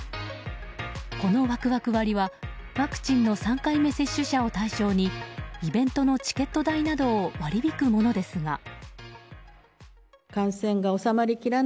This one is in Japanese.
このワクワク割はワクチンの３回目接種者を対象にイベントのチケット代などを割り引くものですが。